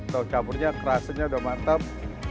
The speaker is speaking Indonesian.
tahu campurnya kerasanya udah mantap